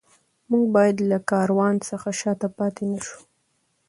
موږ باید له کاروان څخه شاته پاتې نه شو.